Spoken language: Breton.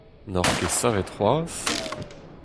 N'oc'h ket savet c'hoazh ?